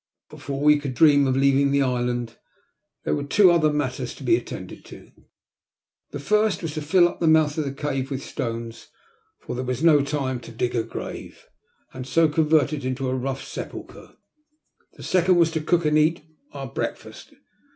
But before we could dream of leaving the island there were two other matters to be"attended to. The first was to fill up the mouth of the cave with stones, for there wq3 183 THE LUST OF HATB. no time to dig a grave, and so convert it info a rough sepulchre; the second was to cook and eat oar breakfast.